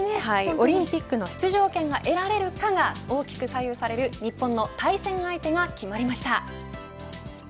オリンピックの出場権が得られるかが、大きく左右される日本の対戦相手が決まりました。